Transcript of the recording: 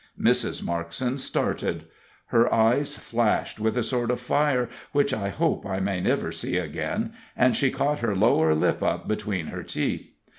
Mrs. Markson started; her eyes flashed with a sort of fire which I hope I may never see again, and she caught her lower lip up between her teeth.